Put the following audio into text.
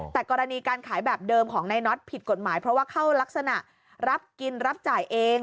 แต่กรณีการขายแบบเดิมของนายน็อตผิดกฎหมายเพราะว่าเข้ารักษณะรับกินรับจ่ายเอง